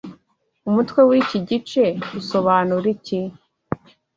Umutwe w'iki gice usobanura iki